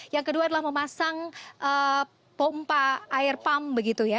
yang kedua adalah memasang pompa air pump begitu ya